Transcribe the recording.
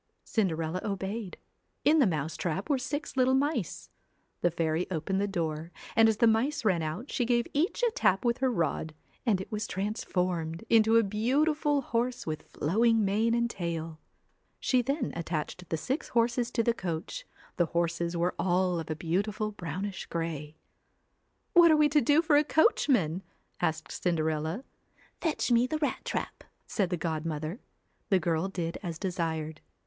Cinderella obeyed. In the mouse trap were six little mice. The fairy opened the door and as the mice ran out, she give each a tap with her rod, and it was transformed into a beautiful horse with 26 flowing mane and tail. She then attached the CINDER six horses to the coach, the horses were all of a ELLA beautiful brownish grey. 'What are we to do for a coachman?' asked Cinderella. ' Fetch me the rat trap,' said the godmother. The girl did as desired.